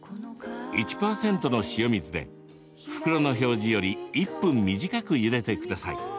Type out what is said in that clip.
１％の塩水で、袋の表示より１分短く、ゆでてください。